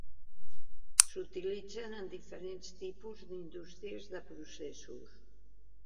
S'utilitzen en diferents tipus d'indústries de processos.